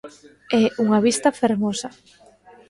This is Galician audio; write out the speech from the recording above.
É unha vista fermosa.